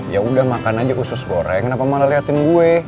ya udah makan aja usus goreng kenapa malah liatin gue